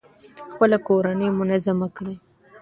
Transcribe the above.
خپله کورنۍ منظمه کړئ.